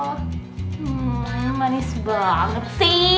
hmm manis banget sih